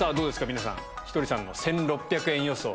皆さんひとりさんの１６００円予想。